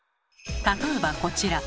例えばこちら。